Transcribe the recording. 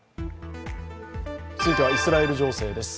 続いてはイスラエル情勢です。